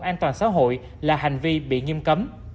an toàn xã hội là hành vi bị nghiêm cấm